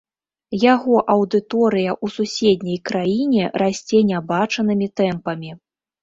Яго аўдыторыя ў суседняй краіне расце нябачанымі тэмпамі.